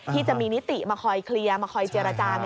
ที่จะมีนิติมาคอยเคลียร์มาคอยเจรจา